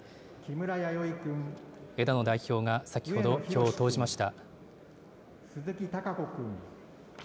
枝野代表が先ほど、票を投じました。